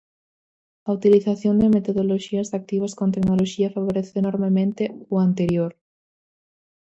A utilización de metodoloxías activas con tecnoloxía favorece enormemente o anterior.